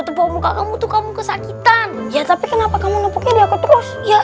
ngebawa muka kamu tuh kamu kesakitan ya tapi kenapa kamu nopoknya dia ke terus ya